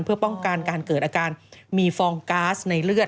เพื่อป้องกันการเกิดอาการมีฟองก๊าซในเลือด